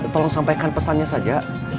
tolong sampaikan pesannya saja